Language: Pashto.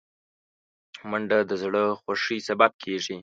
منډه د زړه خوښۍ سبب کېږي